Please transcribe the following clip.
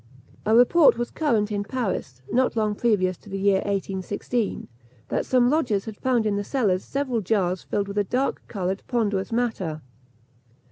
A report was current in Paris, not long previous to the year 1816, that some lodgers had found in the cellars several jars filled with a dark coloured ponderous matter.